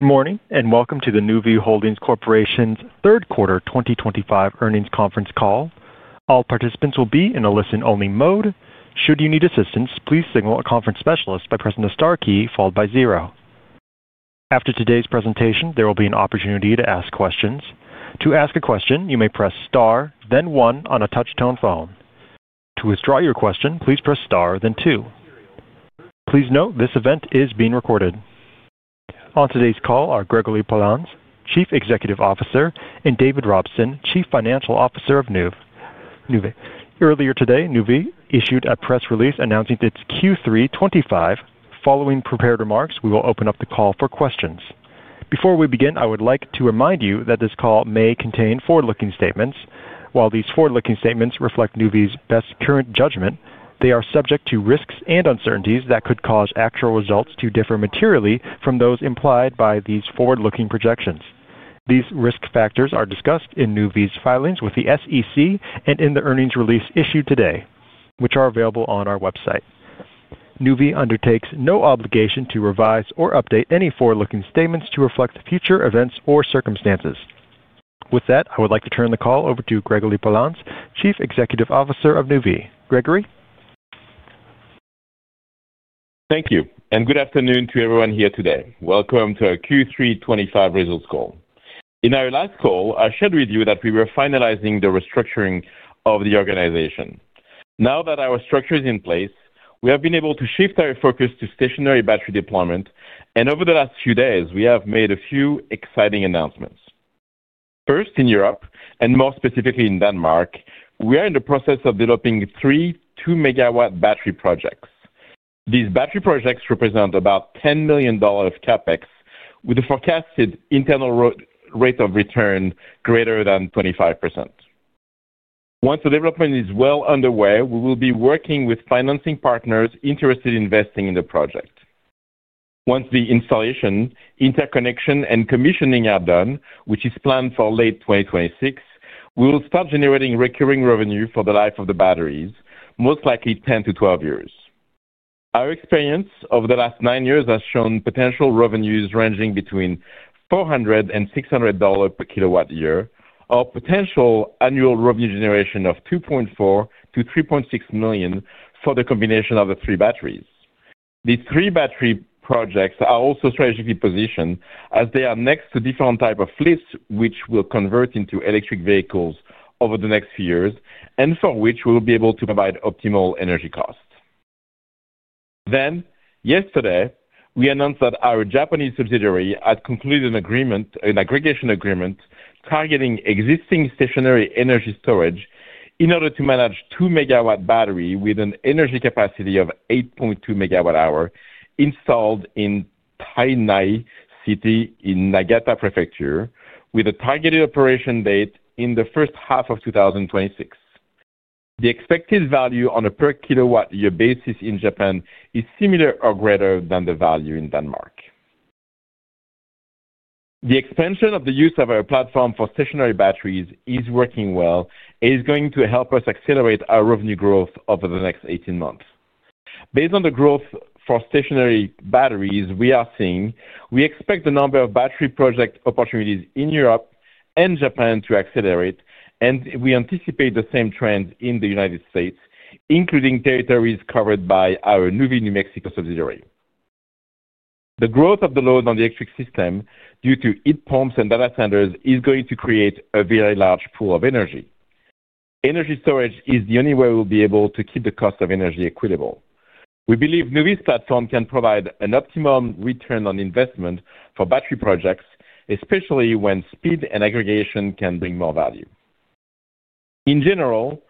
Good morning and welcome to the Nuvve Holding Corp.'s third quarter 2025 Earnings Conference Call. All participants will be in a listen-only mode. Should you need assistance, please signal a conference specialist by pressing the star key followed by zero. After today's presentation, there will be an opportunity to ask questions. To ask a question, you may press star, then one on a touch-tone phone. To withdraw your question, please press star, then two. Please note this event is being recorded. On today's call are Gregory Poilasne, Chief Executive Officer, and David Robson, Chief Financial Officer of Nuvve. Earlier today, Nuvve issued a press release announcing its Q3 2025. Following prepared remarks, we will open up the call for questions. Before we begin, I would like to remind you that this call may contain forward-looking statements. While these forward-looking statements reflect Nuvve's best current judgment, they are subject to risks and uncertainties that could cause actual results to differ materially from those implied by these forward-looking projections. These risk factors are discussed in Nuvve's filings with the SEC and in the earnings release issued today, which are available on our website. Nuvve undertakes no obligation to revise or update any forward-looking statements to reflect future events or circumstances. With that, I would like to turn the call over to Gregory Poilasne, Chief Executive Officer of Nuvve. Gregory? Thank you, and good afternoon to everyone here today. Welcome to our Q3 2025 results call. In our last call, I shared with you that we were finalizing the restructuring of the organization. Now that our structure is in place, we have been able to shift our focus to stationary battery deployment, and over the last few days, we have made a few exciting announcements. First, in Europe, and more specifically in Denmark, we are in the process of developing three 2 MW battery projects. These battery projects represent about $10 million of CapEx, with a forecasted internal rate of return greater than 25%. Once the development is well underway, we will be working with financing partners interested in investing in the project. Once the installation, interconnection, and commissioning are done, which is planned for late 2026, we will start generating recurring revenue for the life of the batteries, most likely 10 to 12 years. Our experience over the last nine years has shown potential revenues ranging between $400-$600 per kilowatt-year, or potential annual revenue generation of $2.4-$3.6 million for the combination of the three batteries. These three battery projects are also strategically positioned as they are next to different types of fleets which will convert into electric vehicles over the next few years, and for which we will be able to provide optimal energy costs. Yesterday, we announced that our Japanese subsidiary had concluded an aggregation agreement targeting existing stationary energy storage in order to manage a 2 MW battery with an energy capacity of 8.2 MWh installed in Tainai City in Niigata Prefecture, with a targeted operation date in the first half of 2026. The expected value on a per-kilowatt-year basis in Japan is similar or greater than the value in Denmark. The expansion of the use of our platform for stationary batteries is working well and is going to help us accelerate our revenue growth over the next 18 months. Based on the growth for stationary batteries we are seeing, we expect the number of battery project opportunities in Europe and Japan to accelerate, and we anticipate the same trend in the United States, including territories covered by our Nuvve New Mexico subsidiary. The growth of the load on the electric system due to heat pumps and data centers is going to create a very large pool of energy. Energy storage is the only way we'll be able to keep the cost of energy equitable. We believe Nuvve's platform can provide an optimum return on investment for battery projects, especially when speed and aggregation can bring more value. In general,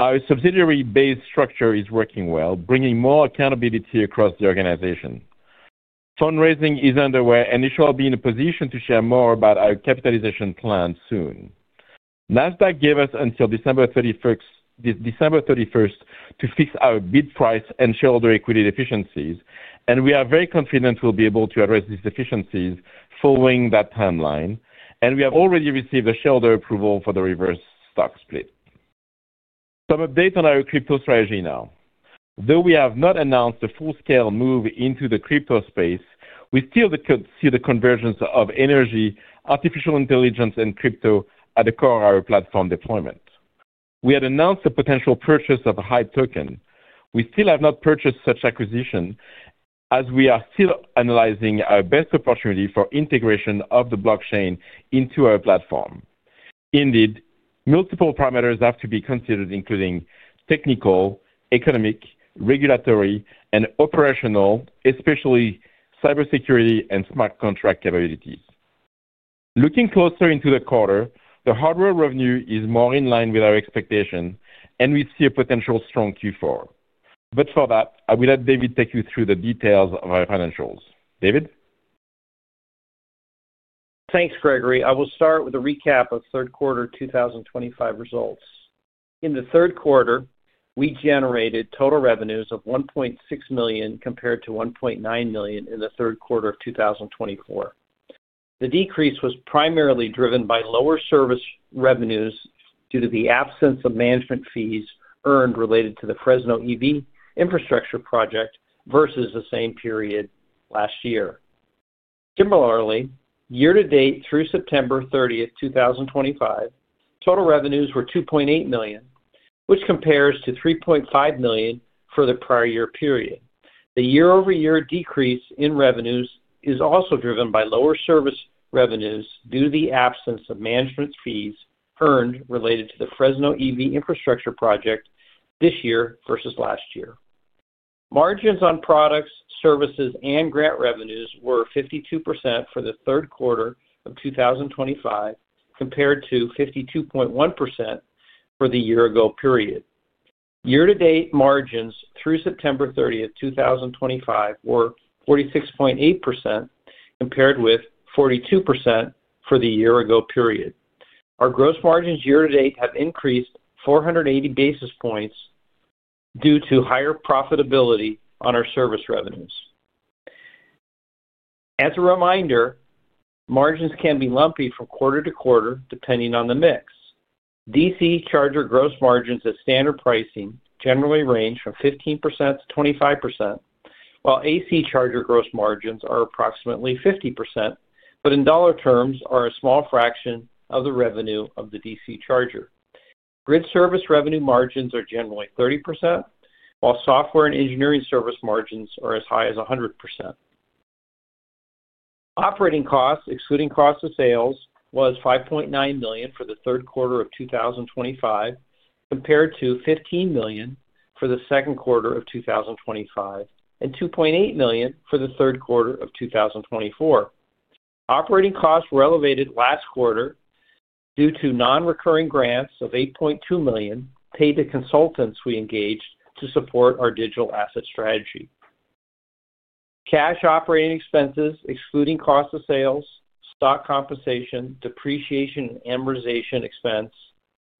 our subsidiary-based structure is working well, bringing more accountability across the organization. Fundraising is underway, and we should be in a position to share more about our capitalization plan soon. NASDAQ gave us until December 31 to fix our bid price and shareholder equity deficiencies, and we are very confident we'll be able to address these deficiencies following that timeline. We have already received a shareholder approval for the reverse stock split. Some updates on our crypto strategy now. Though we have not announced a full-scale move into the crypto space, we still could see the convergence of energy, artificial intelligence, and crypto at the core of our platform deployment. We had announced the potential purchase of a HYPE token. We still have not purchased such acquisitions, as we are still analyzing our best opportunity for integration of the blockchain into our platform. Indeed, multiple parameters have to be considered, including technical, economic, regulatory, and operational, especially cybersecurity and smart contract capabilities. Looking closer into the quarter, the hardware revenue is more in line with our expectations, and we see a potential strong Q4. For that, I will let David take you through the details of our financials. David? Thanks, Gregory. I will start with a recap of third quarter 2025 results. In the third quarter, we generated total revenues of $1.6 million compared to $1.9 million in the third quarter of 2024. The decrease was primarily driven by lower service revenues due to the absence of management fees earned related to the Fresno EV infrastructure project versus the same period last year. Similarly, year-to-date through September 30th, 2025, total revenues were $2.8 million, which compares to $3.5 million for the prior year period. The year-over-year decrease in revenues is also driven by lower service revenues due to the absence of management fees earned related to the Fresno EV infrastructure project this year versus last year. Margins on products, services, and grant revenues were 52% for the third quarter of 2025 compared to 52.1% for the year-ago period. Year-to-date margins through September 30, 2025, were 46.8% compared with 42% for the year-ago period. Our gross margins year-to-date have increased 480 basis points due to higher profitability on our service revenues. As a reminder, margins can be lumpy from quarter to quarter depending on the mix. DC charger gross margins at standard pricing generally range from 15%-25%, while AC charger gross margins are approximately 50%, but in dollar terms, are a small fraction of the revenue of the DC charger. Grid service revenue margins are generally 30%, while software and engineering service margins are as high as 100%. Operating costs, excluding cost of sales, were $5.9 million for the third quarter of 2025, compared to $15 million for the second quarter of 2025 and $2.8 million for the third quarter of 2024. Operating costs were elevated last quarter due to non-recurring grants of $8.2 million paid to consultants we engaged to support our digital asset strategy. Cash operating expenses, excluding cost of sales, stock compensation, depreciation, and amortization expense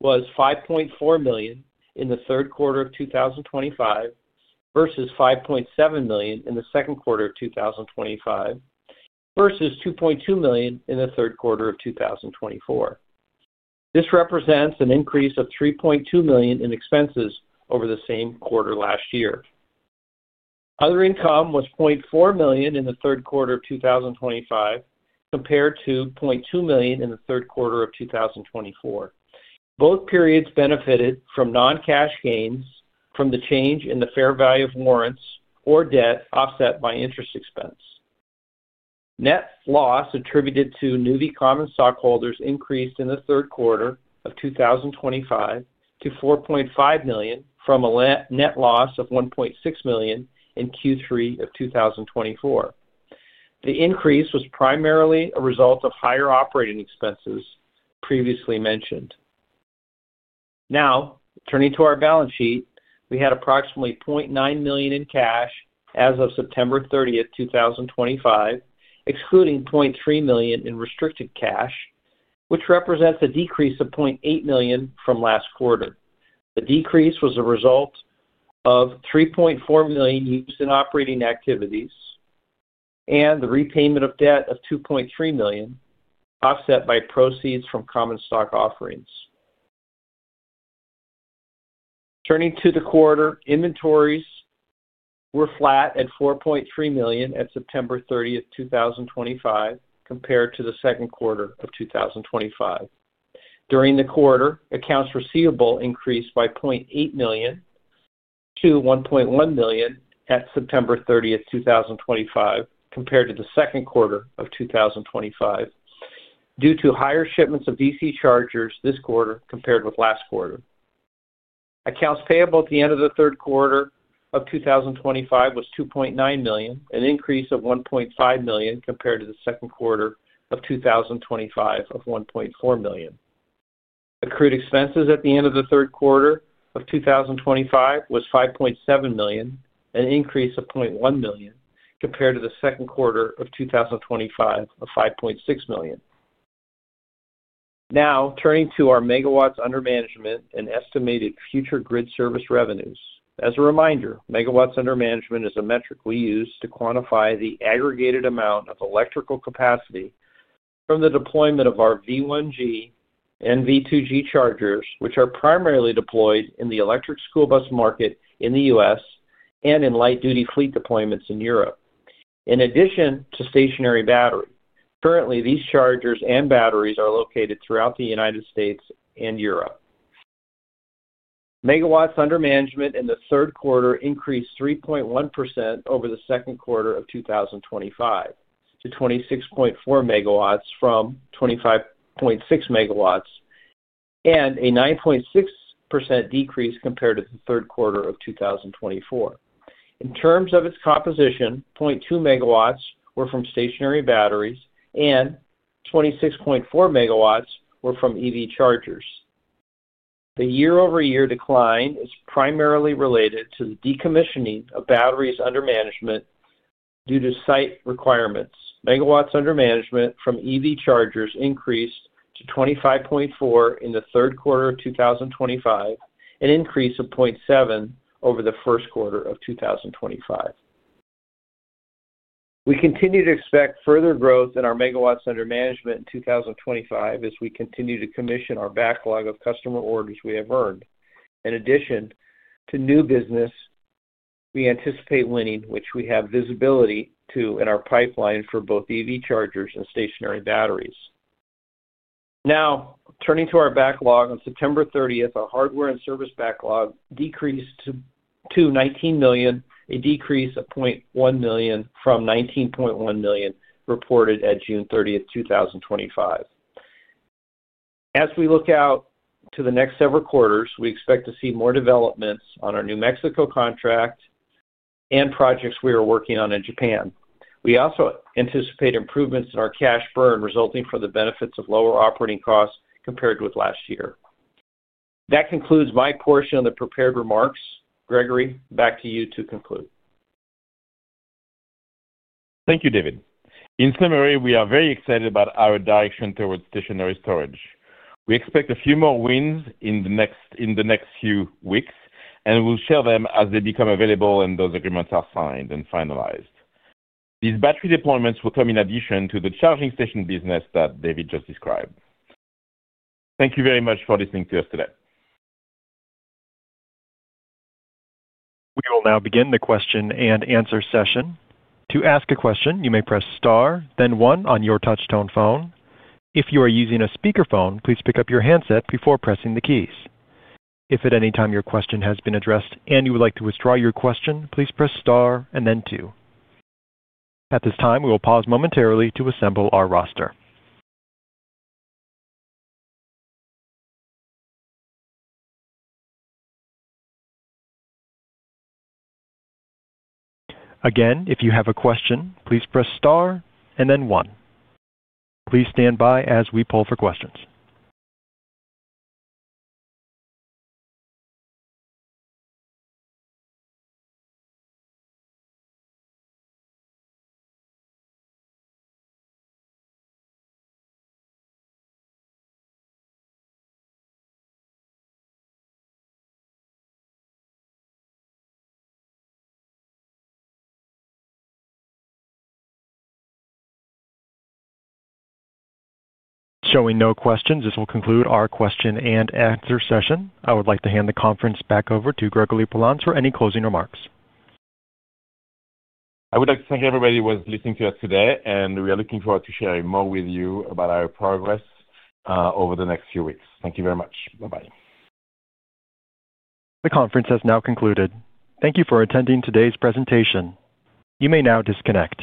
were $5.4 million in the third quarter of 2025 versus $5.7 million in the second quarter of 2025 versus $2.2 million in the third quarter of 2024. This represents an increase of $3.2 million in expenses over the same quarter last year. Other income was $0.4 million in the third quarter of 2025 compared to $0.2 million in the third quarter of 2024. Both periods benefited from non-cash gains from the change in the fair value of warrants or debt offset by interest expense. Net loss attributed to Nuvve Common Stockholders increased in the third quarter of 2025 to $4.5 million from a net loss of $1.6 million in Q3 of 2024. The increase was primarily a result of higher operating expenses previously mentioned. Now, turning to our balance sheet, we had approximately $0.9 million in cash as of September 30, 2025, excluding $0.3 million in restricted cash, which represents a decrease of $0.8 million from last quarter. The decrease was a result of $3.4 million used in operating activities and the repayment of debt of $2.3 million offset by proceeds from common stock offerings. Turning to the quarter, inventories were flat at $4.3 million at September 30, 2025, compared to the second quarter of 2025. During the quarter, accounts receivable increased by $0.8 million to $1.1 million at September 30, 2025, compared to the second quarter of 2025 due to higher shipments of DC chargers this quarter compared with last quarter. Accounts payable at the end of the third quarter of 2025 was $2.9 million, an increase of $1.5 million compared to the second quarter of 2025 of $1.4 million. Accrued expenses at the end of the third quarter of 2025 was $5.7 million, an increase of $0.1 million compared to the second quarter of 2025 of $5.6 million. Now, turning to our megawatts under management and estimated future grid service revenues. As a reminder, megawatts under management is a metric we use to quantify the aggregated amount of electrical capacity from the deployment of our V1G and V2G chargers, which are primarily deployed in the electric school bus market in the U.S. and in light-duty fleet deployments in Europe, in addition to stationary battery. Currently, these chargers and batteries are located throughout the United States and Europe. Megawatts under management in the third quarter increased 3.1% over the second quarter of 2025 to 26.4 megawatts from 25.6 megawatts and a 9.6% decrease compared to the third quarter of 2024. In terms of its composition, 0.2 megawatts were from stationary batteries, and 26.4 megawatts were from EV chargers. The year-over-year decline is primarily related to the decommissioning of batteries under management due to site requirements. Megawatts under management from EV chargers increased to 25.4 in the third quarter of 2025, an increase of 0.7 over the first quarter of 2025. We continue to expect further growth in our megawatts under management in 2025 as we continue to commission our backlog of customer orders we have earned. In addition to new business, we anticipate winning, which we have visibility to in our pipeline for both EV chargers and stationary batteries. Now, turning to our backlog, on September 30, our hardware and service backlog decreased to $19 million, a decrease of $0.1 million from $19.1 million reported at June 30, 2025. As we look out to the next several quarters, we expect to see more developments on our New Mexico contract and projects we are working on in Japan. We also anticipate improvements in our cash burn resulting from the benefits of lower operating costs compared with last year. That concludes my portion of the prepared remarks. Gregory, back to you to conclude. Thank you, David. In summary, we are very excited about our direction towards stationary storage. We expect a few more wins in the next few weeks, and we'll share them as they become available and those agreements are signed and finalized. These battery deployments will come in addition to the charging station business that David just described. Thank you very much for listening to us today. We will now begin the question and answer session. To ask a question, you may press star, then one on your touch-tone phone. If you are using a speakerphone, please pick up your handset before pressing the keys. If at any time your question has been addressed and you would like to withdraw your question, please press star and then two. At this time, we will pause momentarily to assemble our roster. Again, if you have a question, please press star and then one. Please stand by as we poll for questions. Showing no questions, this will conclude our question and answer session. I would like to hand the conference back over to Gregory Poilasne for any closing remarks. I would like to thank everybody who was listening to us today, and we are looking forward to sharing more with you about our progress over the next few weeks. Thank you very much. Bye-bye. The conference has now concluded. Thank you for attending today's presentation. You may now disconnect.